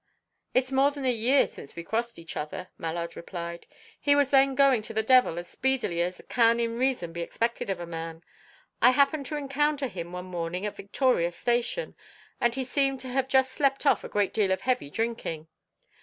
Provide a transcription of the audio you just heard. "It's more than a year since we crossed each other," Mallard replied. "He was then going to the devil as speedily as can in reason be expected of a man. I happened to encounter him one morning at Victoria Station, and he seemed to have just slept off a great deal of heavy drinking.